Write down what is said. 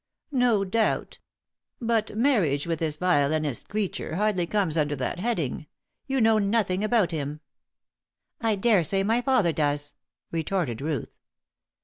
"No doubt. But marriage with this violinist creature hardly comes under that heading. You know nothing about him." "I dare say my father does," retorted Ruth.